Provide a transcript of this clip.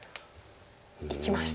いきました。